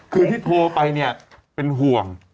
คือที่โทรไปเป็นห่วง